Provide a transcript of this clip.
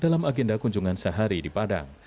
dalam agenda kunjungan sehari di padang